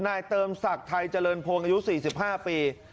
นายเติมศักดิ์ไทยเจริญพงศ์อายุ๔๕ปี